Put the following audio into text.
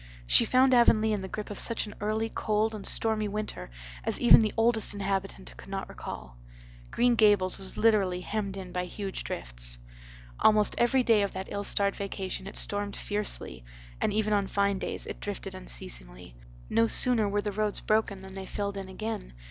She found Avonlea in the grip of such an early, cold, and stormy winter as even the "oldest inhabitant" could not recall. Green Gables was literally hemmed in by huge drifts. Almost every day of that ill starred vacation it stormed fiercely; and even on fine days it drifted unceasingly. No sooner were the roads broken than they filled in again.